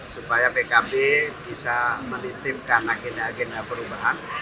supaya pkb bisa menitipkan agenda agenda perubahan